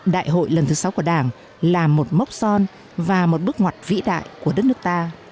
đại hội lần thứ sáu của đảng là một mốc son và một bước ngoặt vĩ đại của đất nước ta